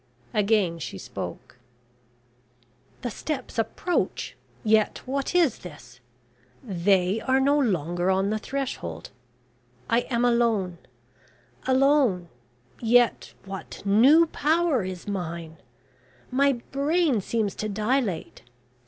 Again she spoke. "The steps approach yet what is this? They are no longer on the threshold. I am alone alone yet what new power is mine! My brain seems to dilate!